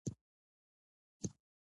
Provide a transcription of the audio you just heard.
د هایپوپلاسیا د ارګان کم وده ده.